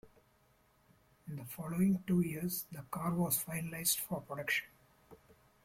In the following two years the car was finalised for production.